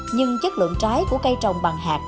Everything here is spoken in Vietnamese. nhưng chất lượng trái của cây trồng bằng hạt